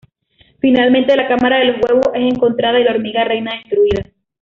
Finalmente la cámara de los huevos es encontrada y la hormiga reina destruida.